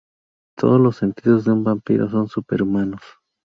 Todos los sentidos de un vampiro son superhumanos.